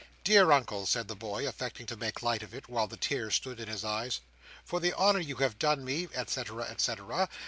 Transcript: "Dear Uncle," said the boy, affecting to make light of it, while the tears stood in his eyes, "for the honour you have done me, et cetera, et cetera.